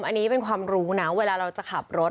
อันนี้เป็นความรู้นะเวลาเราจะขับรถ